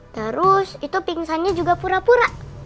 terus itu pingsannya juga pura pura